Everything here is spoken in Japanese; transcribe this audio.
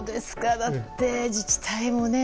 だって自治体もね